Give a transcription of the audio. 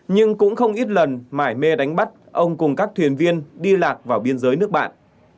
nhưng cũng không ít lần mải mê đánh bắt ông cùng các thuyền viên đi lạc vào biên giới nước bạn